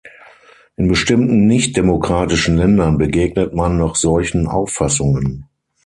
In bestimmten nichtdemokratischen Ländern begegnet man noch solchen Auffassungen.